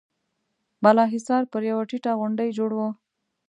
بالا حصار پر يوه ټيټه غونډۍ جوړ و.